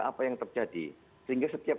apa yang terjadi sehingga setiap